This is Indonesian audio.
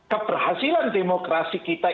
keberhasilan demokrasi kita